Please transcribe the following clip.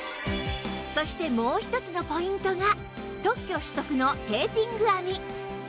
そしてもう一つのポイントが特許取得のテーピング編み